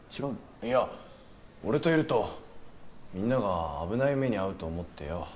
いや俺といるとみんなが危ない目に遭うと思ってよ。